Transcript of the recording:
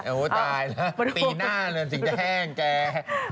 โอ้โฮตายแล้วตีหน้าเลยสิแห้งแกะ